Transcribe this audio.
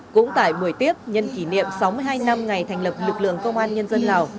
cũng tại buổi tiếp nhân kỷ niệm sáu mươi hai năm ngày thành lập lực lượng công an nhân dân lào